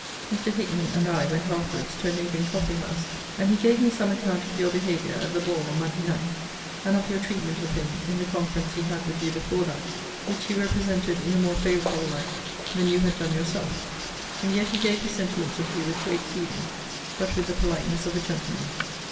Mr. Hickman and I went afterwards to a neighbouring coffee house; and he gave me some account of your behaviour at the ball on Monday night, and of your treatment of him in the conference he had with you before that; which he represented in a more favourable light than you had done yourself: and yet he gave his sentiments of you with great freedom, but with the politeness of a gentleman.